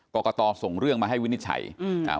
กรกตส่งเรื่องมาให้วินิจฉัยอืมอ่า